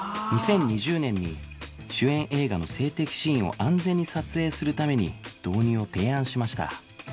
２０２０年に主演映画の性的シーンを安全に撮影するために導入を提案しました